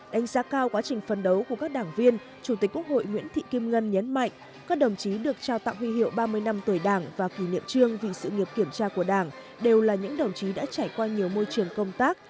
đánh giá cao quá trình phân đấu của các đảng viên chủ tịch quốc hội nguyễn thị kim ngân nhấn mạnh các đồng chí được trao tặng huy hiệu ba mươi năm tuổi đảng và kỷ niệm trương vì sự nghiệp kiểm tra của đảng đều là những đồng chí đã trải qua nhiều môi trường công tác